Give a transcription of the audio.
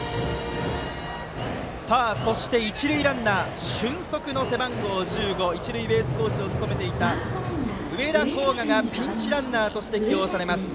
そして一塁ランナー俊足の背番号１５一塁ベースコーチを務めていた植田光河がピンチランナーで起用されます。